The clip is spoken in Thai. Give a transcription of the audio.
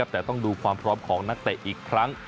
แต่ต้องดูความพร้อมของนักเตะอีกครั้ง